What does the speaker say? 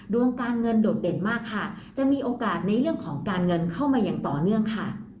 ดวงการเงินโดดเด่นมากค่ะจะมีโอกาสในเรื่องของการเงินเข้ามาอย่างต่อเนื่องค่ะ